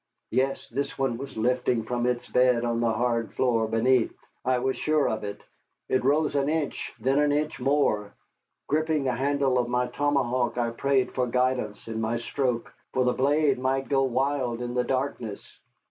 Yes, this one was lifting from its bed on the hard earth beneath. I was sure of it. It rose an inch then an inch more. Gripping the handle of my tomahawk, I prayed for guidance in my stroke, for the blade might go wild in the darkness.